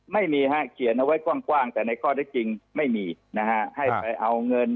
ไม่มีฮะเขียนเอาไว้กว้างแต่ในข้อได้จริงไม่มีนะฮะให้ไปเอาเงิน